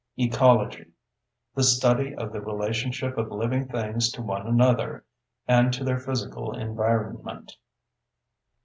ECOLOGY: The study of the relationship of living things to one another and to their physical environment.